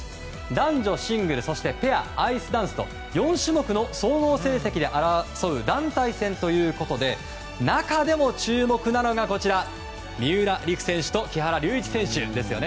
男女シングル、そしてペアアイスダンスと４種目の総合成績で争う団体戦ということで中でも注目なのが三浦璃来選手と木原龍一選手ですよね